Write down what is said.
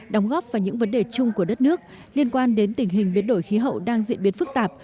đóng góp vào những vấn đề chung của đất nước liên quan đến tình hình biến đổi khí hậu đang diễn biến phức tạp